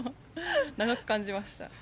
長く感じました。